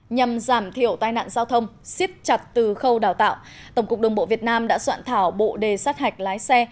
nhằm giảm thiểu tai nạn giao thông siết chặt từ khâu đào tạo tổng cục đồng bộ việt nam đã soạn thảo bộ đề sát hạch lái xe